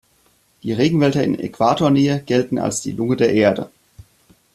Die Regenwälder in Äquatornähe gelten als die Lunge der Erde.